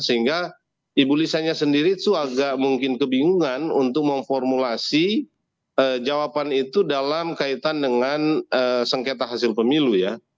sehingga ibu lisanya sendiri itu agak mungkin kebingungan untuk memformulasi jawaban itu dalam kaitan dengan sengketa hasil pemilu ya